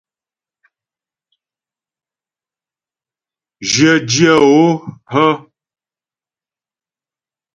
Jyə dyə̌ o hə́ ?